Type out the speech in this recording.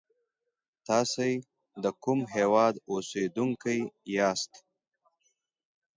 تاسی دکوم هیواد اوسیدونکی یاست